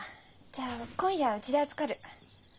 じゃあ今夜はうちで預かる。